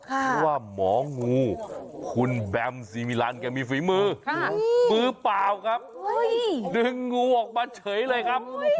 คำว่าหมองูคุณแบมศ์สีมิรัญก็มีฝีมือฟื้อเปล่าครับหนึ่งงูออกมาเฉยเลยครับ